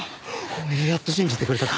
おめえやっと信じてくれたか。